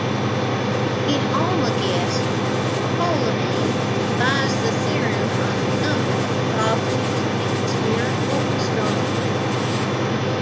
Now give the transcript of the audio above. In Almagest, Ptolemy applies the theorem on a number of problems in spherical astronomy.